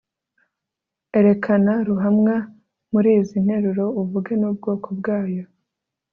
erekana ruhamwa muri izi nteruro, uvuge n'ubwokobwayo